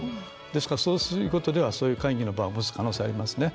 ですから、そうすることではそういう会議の場を持つ可能性がありますね。